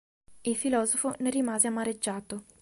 Il filosofo ne rimase amareggiato.